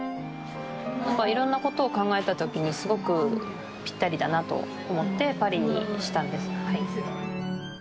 いろんなことを考えた時にすごくピッタリだなと思ってパリにしたんです。